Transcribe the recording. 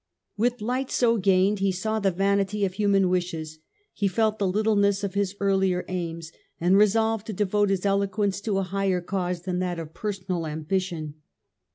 With light so gained he saw the vanity of human wishes, he felt the littleness of his earlier aims, and resolved to devote his eloquence to a higher cause than that of personal ambition.